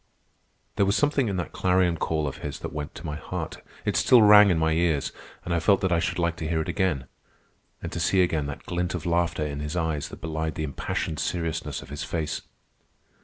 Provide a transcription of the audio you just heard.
There was something in that clarion call of his that went to my heart. It still rang in my ears, and I felt that I should like to hear it again—and to see again that glint of laughter in his eyes that belied the impassioned seriousness of his face.